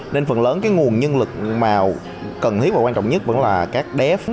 nên phần lớn cái nguồn nhân lực mà cần thiết và quan trọng nhất vẫn là các bé